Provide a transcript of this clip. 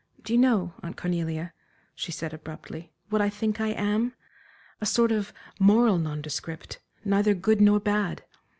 "Do you know, Aunt Cornelia," she said abruptly "what I think I am? a sort of moral nondescript, neither good nor bad.